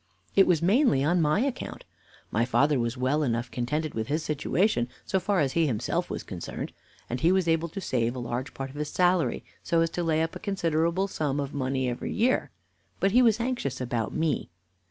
It was mainly on my account. My father was well enough contented with his situation so far as he himself was concerned, and he was able to save a large part of his salary, so as to lay up a considerable sum of money every year; but he was anxious about me.